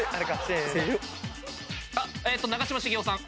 長嶋茂雄さん。